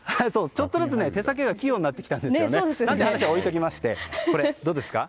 ちょっとずつ手先が器用になってきたんですよね。という話は置いておいてこれ、どうですか？